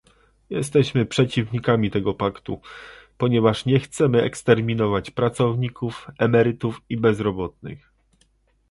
Jesteśmy przeciwnikami tego paktu, ponieważ nie chcemy eksterminować pracowników, emerytów i bezrobotnych